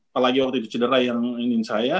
apalagi waktu itu cedera yang ingin saya